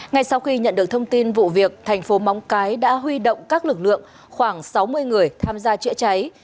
ngay sau khi nhận được thông tin vụ việc thành phố móng cái đã huy động các lực lượng khoảng sáu mươi người tham gia chữa cháy